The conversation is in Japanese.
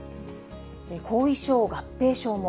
後遺症、合併症も。